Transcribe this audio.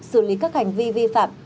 xử lý các hành vi vi phạm